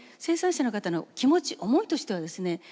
生産者の方の気持ち思いとしてはですね